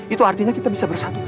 itu artinya kita bisa bersatu